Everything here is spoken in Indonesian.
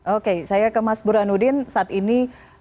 oke saya ke mas burhanuddin saat ini